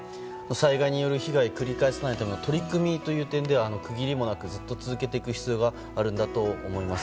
災害による被害を繰り返さないための取り組みという点では区切りもなくずっと続ける必要があるんだと思います。